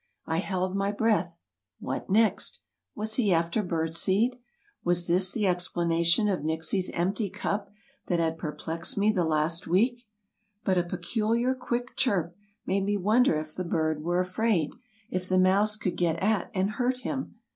I held my breath. What next? Was he after bird seed? Was this the explanation of Nixie's empty cup that had perplexed me the last week? But a peculiar, quick chirp made me wonder if the bird were afraid, if the mouse could get at and hurt him.